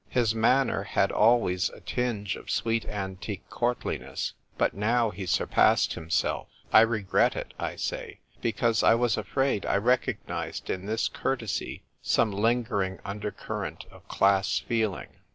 His manner had always a tinge of sweet antique courtliness ; but now he surpassed himself I regret it, I say, because I was afraid I recognised in this courtesy some lingering undercurrent of class feeling.